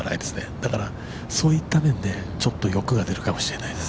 だからそういった面で、ちょっと欲が出るかもしれないです。